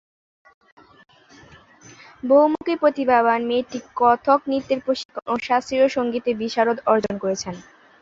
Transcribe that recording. বহুমুখী প্রতিভাবান মেয়েটি কথক নৃত্যের প্রশিক্ষণ ও শাস্ত্রীয় সঙ্গীতে বিশারদ অর্জন করেছেন।